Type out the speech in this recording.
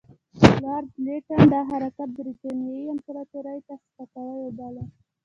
لارډ لیټن دا حرکت برټانیې امپراطوري ته سپکاوی وباله.